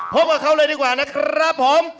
พบกับเขาเลยดีกว่านะครับผม